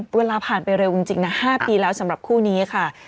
เวลาผ่านไปเร็วจริงนะ๕ปีแล้วสำหรับคู่นี้ค่ะ